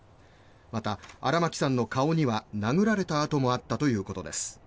また荒牧さんの顔には殴られた痕もあったということです。